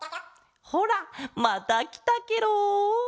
ほらまたきたケロ。